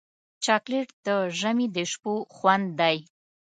چاکلېټ د ژمي د شپو خوند دی.